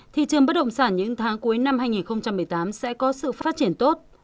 thị trường bất động sản những tháng cuối năm hai nghìn một mươi tám sẽ có sự phát triển tốt